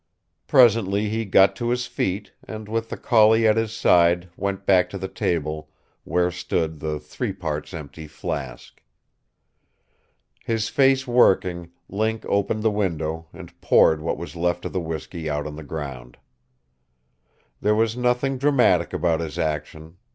Presently he got to his feet, and with the collie at his side went back to the table, where stood the threeparts empty flask. His face working, Link opened the window and poured what was left of the whisky out on the ground. There was nothing dramatic about his action.